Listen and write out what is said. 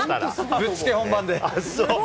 ぶっつけ本番で。